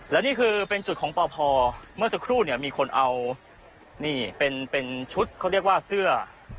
และนี่คือเป็นจุดของปพเมื่อสักครู่เนี่ยมีคนเอานี่เป็นชุดเขาเรียกว่าเสื้อ